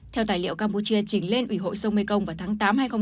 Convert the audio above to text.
theo tài liệu campuchia chỉnh lên ủy hội sông mekong vào tháng tám hai nghìn hai mươi ba